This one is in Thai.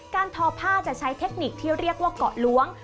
ทอผ้าจะใช้เทคนิคที่เรียกว่าเกาะล้วง